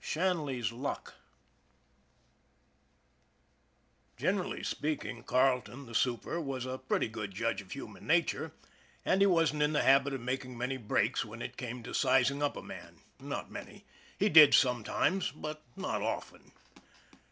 V SHANLEY'S LUCK GENERALLY speaking, Carleton, the super, was a pretty good judge of human nature, and he wasn't in the habit of making many breaks when it came to sizing up a man not many. He did sometimes, but not often.